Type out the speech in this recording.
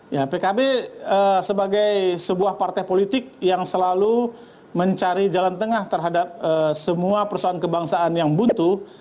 ya pkb sebagai sebuah partai politik yang selalu mencari jalan tengah terhadap semua persoalan kebangsaan yang butuh